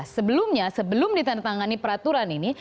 sebelumnya sebelum ditandatangani peraturan ini